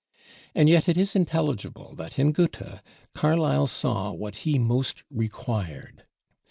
And yet it is intelligible that in Goethe, Carlyle saw what he most required.